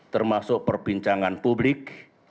termasuk perbincangan publik